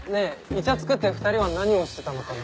イチャつくって２人は何をしてたのかな？